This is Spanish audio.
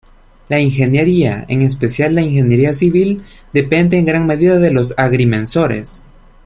La ingeniería, en especial la ingeniería civil, depende en gran medida de los agrimensores.